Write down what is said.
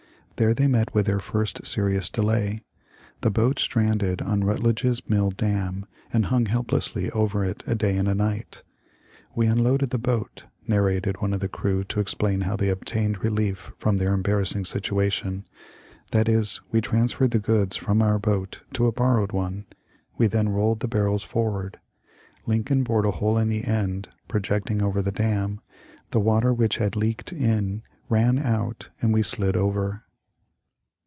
There they met with their first serious delay. The boat stranded on Rutledge's mill dam and hung helplessly over it a day and a night. " We unloaded the boat, " nar rated one of the crew to explain how they obtained relief from their embarrassing situation ;" that is, we transferred the goods from our boat to a borrowed one. We then rolled the barrels forward ; Lincoln bored a hole in the end [projecting] over the dam; the water which had leaked in ran out and we slid over."